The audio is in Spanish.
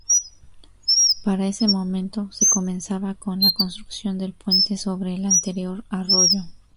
Para ese momento se comenzaba con la construcción del puente sobre el anterior arroyo.